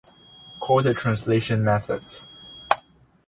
call the translation methods